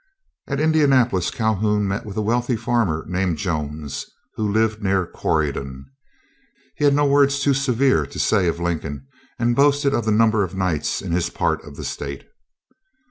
At Indianapolis Calhoun met with a wealthy farmer named Jones, who lived near Corydon. He had no words too severe to say of Lincoln, and boasted of the number of Knights in his part of the state.